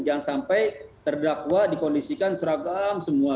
jangan sampai terdakwa dikondisikan seragam semua